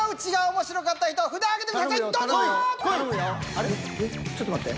あれっちょっと待って。